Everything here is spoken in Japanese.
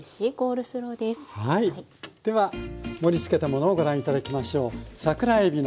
では盛りつけたものをご覧頂きましょう。